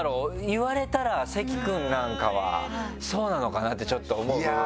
言われたら関くんなんかはそうなのかな？ってちょっと思う部分も。